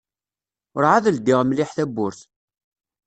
Ur-ɛad ldiɣ mliḥ tawwurt.